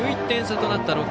１１点差となった